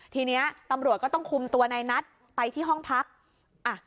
ทีเนี้ยตำรวจก็ต้องคุมตัวในนัทไปที่ห้องพักอ่ะ